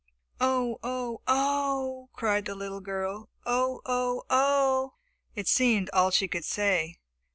"Oh, oh, oh!" cried the little girl. "Oh, oh, oh!" It seemed all she could say.